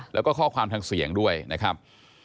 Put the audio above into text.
แล้วก็ข้อความทางเสียงด้วยนะครับ